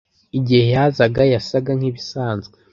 igihe yazaga yasaga nkibisanzwe